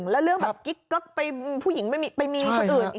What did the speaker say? แล้วเรื่องแบบกิ๊กเกิ๊กไปผู้หญิงไปมีคนอื่นอีก